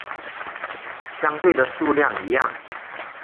相对的数量一样。